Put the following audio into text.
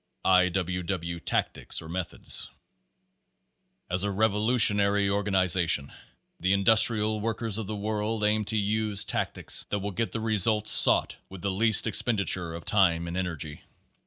I. W. W. Tactics or Methods As a revolutionary organization the Industrial Workers of the World aims to use tactics that will get the results sought with the least expenditure of time and energy.